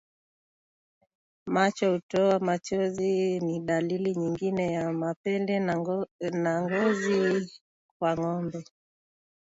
Macho kutoa machozi ni dalili nyingine ya mapele ya ngozi kwa ngombe